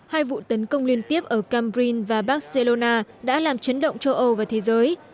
hai vụ tấn công liên tiếp ở cambrin và barcelona đã làm chấn động châu âu và thế giới